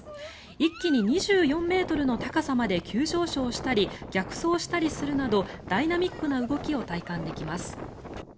一気に２４ｍの高さまで急上昇したり逆走したりするなどダイナミックな動きを体感できます。